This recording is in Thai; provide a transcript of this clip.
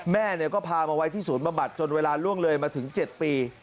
แม่ก็พามาไว้ที่ศูนย์บำบัดจนเวลาล่วงเลยมาถึง๗ปี